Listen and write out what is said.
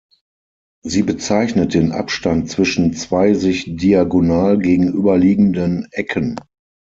Sie bezeichnet den Abstand zwischen zwei sich diagonal gegenüberliegenden Ecken.